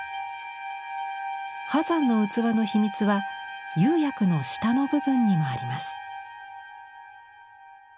波山の器の秘密は釉薬の下の部分にもあります。